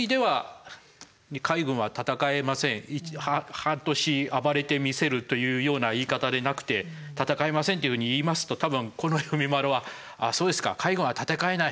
「半年暴れてみせる」というような言い方でなくて「戦えません」っていうふうに言いますとたぶん近衛文麿は「そうですか海軍は戦えない？